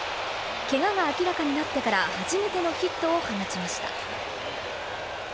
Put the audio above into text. けがが明らかになってから初めてのヒットを放ちました。